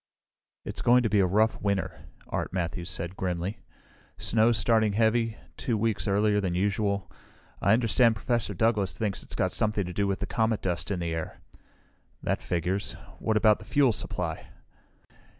"It's going to be a rough winter," Art Matthews said, grimly. "Snow's started heavy, two weeks earlier than usual. I understand Professor Douglas thinks it's got something to do with the comet dust in the air." "That figures. What about the fuel supply?"